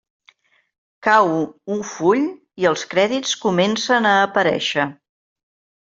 Cau un full i els crèdits comencen a aparèixer.